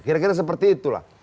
kira kira seperti itulah